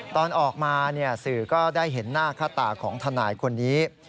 ตอนออกมาสื่อก็ได้เห็นหน้าค่าตาของทนายคนนี้